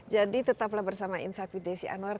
jadi tetaplah bersama insat widesi anwar